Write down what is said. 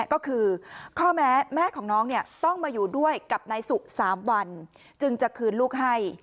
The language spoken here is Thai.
ก็คือแม่ของน้องต้องมาอยู่ด้วยกับนายสุ๓วันจึงจะคืนลูกให้